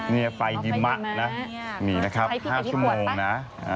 นี่ไฟหิมะนะนี่นะครับ๕ชั่วโมงนะ